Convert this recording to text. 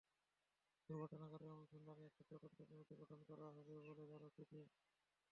দুর্ঘটনার কারণ অনুসন্ধানে একটি তদন্ত কমিটি গঠন করা হবে বলে জানা তিনি।